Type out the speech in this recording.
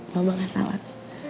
mama gak salah